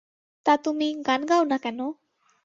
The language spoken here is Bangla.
তা তুমি, গান গাও না কেন?